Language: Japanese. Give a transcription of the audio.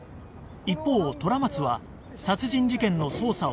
一方虎松は殺人事件の捜査を進めていた